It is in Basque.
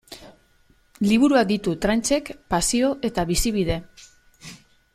Liburuak ditu Tranchek pasio eta bizibide.